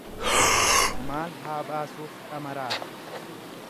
Maal haa baasuuf dhama raasu.